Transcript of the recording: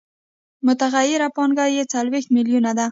متغیره پانګه یې څلوېښت میلیونه ده